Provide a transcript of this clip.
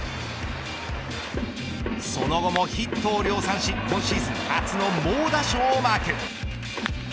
その後もヒットを量産し今シーズン初の猛打賞をマーク。